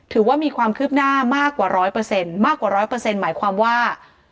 ถือว่ามีความคืบหน้ามากกว่า๑๐๐มากกว่า๑๐๐หมายความว่า